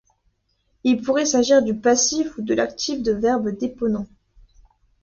Il pourrait s'agit du passif ou de l’actif de verbes déponents.